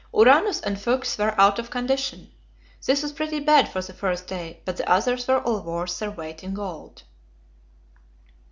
Uranus and Fuchs were out of condition. This was pretty bad for the first day, but the others were all worth their weight in gold.